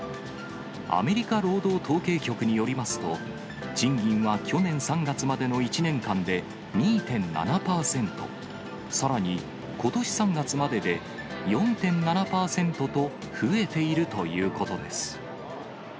アメリカ労働統計局によりますと、賃金は去年３月までの１年間で２．７％、さらにことし３月までで４．７％と、増えているということです。